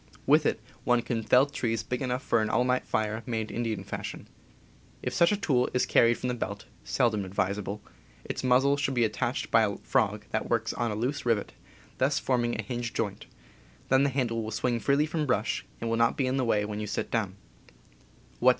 With it one can fell trees big enough for an all night fire made Indian fashion. If such a tool is carried from the belt (seldom advisable) its muzzle should be attached by a frog that works on a loose rivet, thus forming a hinged joint, then the handle will swing free from brush and will not be in the way when you sit down.